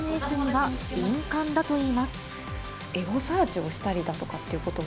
はい。